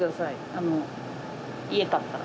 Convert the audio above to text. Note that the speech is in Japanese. あの家建ったら。